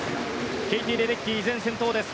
ケイティ・レデッキー依然先頭です。